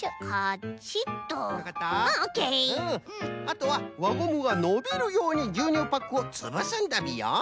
あとはわゴムがのびるようにぎゅうにゅうパックをつぶすんだビヨン。